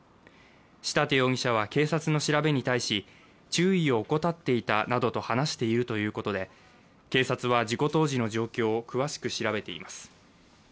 仕立容疑者は警察の調べに対し注意を怠っていたなどと話しているということで警察は事故当時の状況を詳しく調べています。